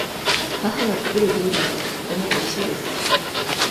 母が作る料理はとてもおいしいです。